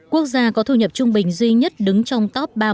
quốc gia có thu nhập trung bình duy nhất đứng trong top